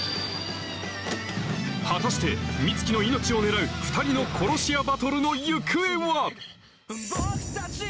果たして美月の命を狙う２人の殺し屋バトルの行方は！？